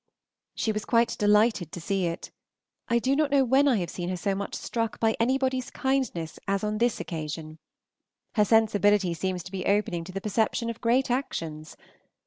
She was quite delighted to see it. I do not know when I have seen her so much struck by anybody's kindness as on this occasion. Her sensibility seems to be opening to the perception of great actions.